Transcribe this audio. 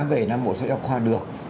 về năm bộ sách học khoa được